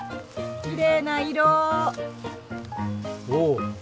きれいな色！